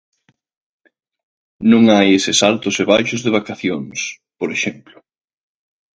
Non hai eses altos e baixos de vacacións, por exemplo.